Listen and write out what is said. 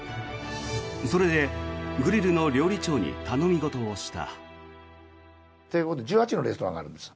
それでグリルの料理長に頼み事をした。